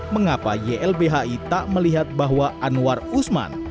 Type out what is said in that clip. mengapa ylbhi tak melihat bahwa anwar usman